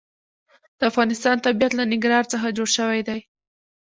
د افغانستان طبیعت له ننګرهار څخه جوړ شوی دی.